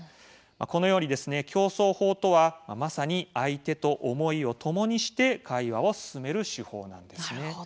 このように共想法とはまさに相手と想いをともにして会話を進める手法なんです。